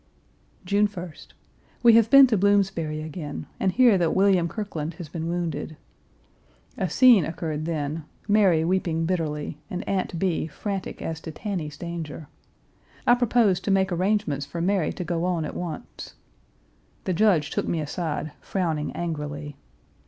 June 1st. We have been to Bloomsbury again and hear that William Kirkland has been wounded. A scene occurred then, Mary weeping bitterly and Aunt B. frantic as to Tanny's danger. I proposed to make arrangements for Mary to go on at once. The Judge took me aside, frowning angrily.